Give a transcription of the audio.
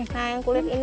nah yang kulit ini